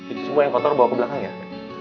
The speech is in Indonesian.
itu semua yang kotor bawa ke belakang ya